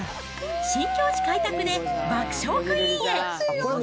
新境地開拓で爆笑クイーンへ。